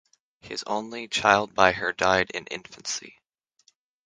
His only child by her died in infancy.